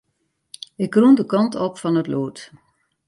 Ik rûn de kant op fan it lûd.